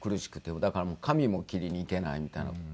だから髪も切りに行けないみたいな。